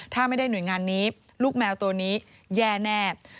ถ้าไม่ได้หน่วยงานนี้ลูกแมวตัวนี้แย่แน่